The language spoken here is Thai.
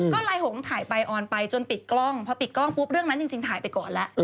ก็ลายหงถ่ายไปออนไปจนปิดกล้องพอปิดกล้องปุ๊บเรื่องนั้นจริงถ่ายไปก่อนแล้ว